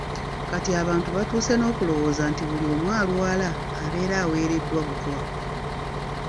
Kati abantu batuuse n'okulowooza nti buli muntu alwala abeera aweereddwa butwa.